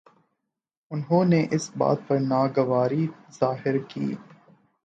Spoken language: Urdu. انہوں نے اس بات پر ناگواری ظاہر کی